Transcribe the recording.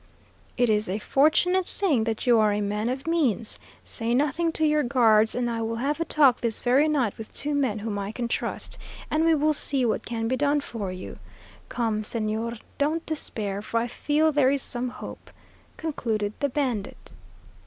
"It is a fortunate thing that you are a man of means. Say nothing to your guards, and I will have a talk this very night with two men whom I can trust, and we will see what can be done for you. Come, señor, don't despair, for I feel there is some hope," concluded the bandit.